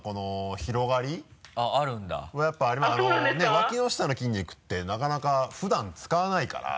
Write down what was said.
脇の下の筋肉ってなかなか普段使わないから。